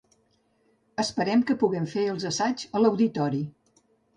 Esperem que puguem fer els assaigs a l'auditori.